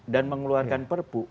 dan mengeluarkan perpu